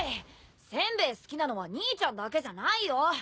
煎餅好きなのは兄ちゃんだけじゃないよ！